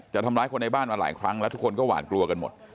ทำร้ายคนในบ้านมาหลายครั้งแล้วทุกคนก็หวานกลัวกันหมด